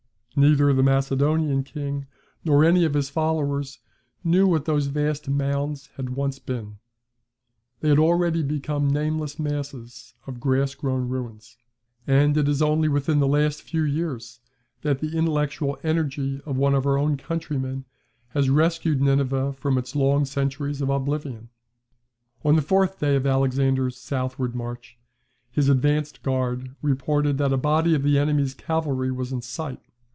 Neither the Macedonian king nor any of his followers knew what those vast mounds had once been. They had already become nameless masses of grass grown ruins; and it is only within the last few years that the intellectual energy of one of our own countrymen has rescued Nineveh from its long centuries of oblivion. [See Layard's "Nineveh," and also Vaux's "Nineveh and Persepolis," p. 16.] On the fourth day of Alexander's southward march, his advanced guard reported that a body of the enemy's cavalry was in sight.